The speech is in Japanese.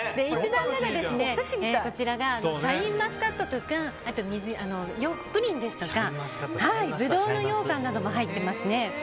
１段目がシャインマスカットとかあと、プリンですとかブドウのようかんなども入ってます。